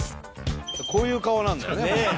こういう顔なんだよね。